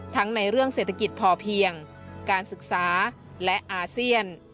ทั้งในเรื่องเศรษฐกิจพอเพียงการศึกษาและอาเซียน